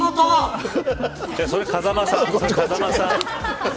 それ、風間さん。